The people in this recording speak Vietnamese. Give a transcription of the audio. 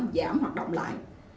giảm hoạt động lại